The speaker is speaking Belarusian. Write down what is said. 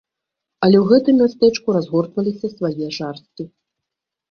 Але ў гэтым мястэчку разгортваліся свае жарсці.